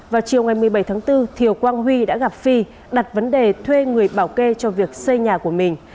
vào chiều ngày một mươi bảy tháng bốn thiều quang huy đã gặp phi đặt vấn đề thuê người bảo kê cho việc xây nhà của mình